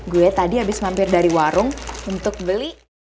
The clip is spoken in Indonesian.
gue tadi habis mampir dari warung untuk beli